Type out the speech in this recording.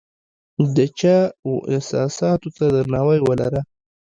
د چا و احساساتو ته درناوی ولره !